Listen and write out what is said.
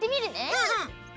うん。